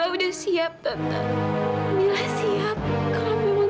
baru bisa memperbaiki warna assassin